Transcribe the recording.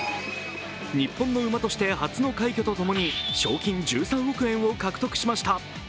日本の馬として初の快挙とともに賞金１３億円を獲得しました。